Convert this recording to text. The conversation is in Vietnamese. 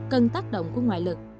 cần tác động của ngoại lực